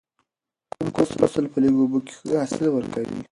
کوم فصل په لږو اوبو کې ښه حاصل ورکوي؟